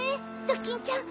ドキンちゃん